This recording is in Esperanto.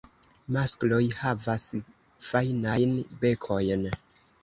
Maskloj havas fajnajn bekojn.